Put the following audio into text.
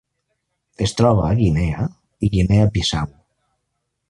Es troba a Guinea i Guinea Bissau.